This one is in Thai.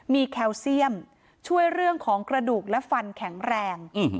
มีแคลเซียมช่วยเรื่องของกระดูกและฟันแข็งแรง